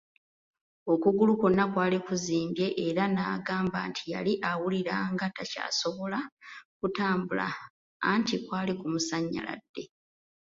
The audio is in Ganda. Okugulu kwona kwali kuzimbye era n’agamba nti yali awuliranga takyasobola kutambula anti kwali kumusanyaladde.